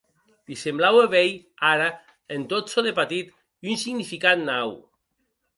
Li semblaue veir, ara, en tot çò de patit un significat nau.